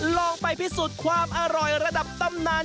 ลองไปพิสูจน์ความอร่อยระดับตำนาน